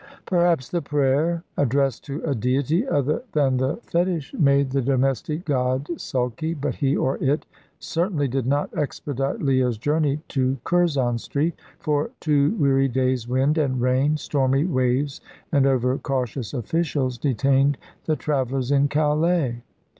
Perhaps the prayer addressed to a Deity other than the fetish made the domestic god sulky, but he, or it, certainly did not expedite Leah's journey to Curzon Street. For two weary days wind and rain, stormy waves and over cautious officials, detained the travellers in Calais.